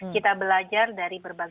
kita belajar dari berikutnya